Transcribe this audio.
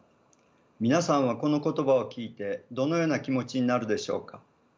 皆さんはこの言葉を聞いてどのような気持ちになるでしょうか？